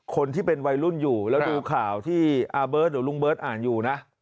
คนที่เป็นวัยรุ่นอยู่แล้วดูข่าวที่อาเบิร์ตหรือลุงเบิร์ตอ่านอยู่นะ